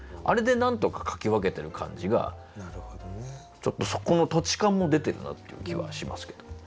あれでなんとかかき分けてる感じがちょっとそこの土地感も出てるなっていう気はしますけど。